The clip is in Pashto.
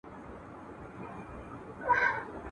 زه به درځم د توتکیو له سېلونو سره ..